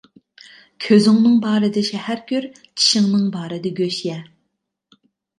كۆزۈڭنىڭ بارىدا شەھەر كۆر، چىشىڭنىڭ بارىدا گۆش يە.